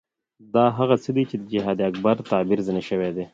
دا هغه څه دي چې جهاد اکبر تعبیر ځنې شوی.